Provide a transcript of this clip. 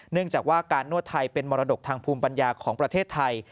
เนื่องจากว่าการนวดไทยเป็นมรดกทางภูมิปัญญาของประเทศไทย